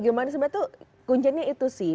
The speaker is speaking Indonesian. jadi itu bagaimana sebenarnya tuh kuncinya itu sih